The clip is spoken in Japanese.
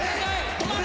止まれ！